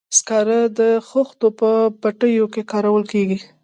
سکاره د خښتو په بټیو کې کارول کیږي.